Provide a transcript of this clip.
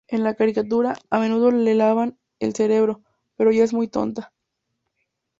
En la caricatura, a menudo le lavan el cerebro, pero ya es muy tonta.